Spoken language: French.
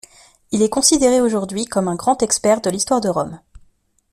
Il est considéré aujourd'hui comme un grand expert de l'histoire de Rome.